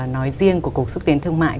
nói riêng của cuộc xuất tiến thương mại